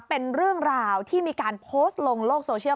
เป็นเรื่องราวที่มีการโพสต์ลงโลกโซเชียล